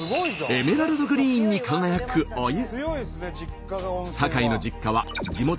エメラルドグリーンに輝くお湯。